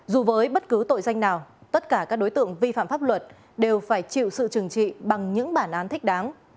dù với bất cứ tội danh nào tất cả các đối tượng vi phạm pháp luật đều phải chịu sự trừng trị bằng những bản án thích đáng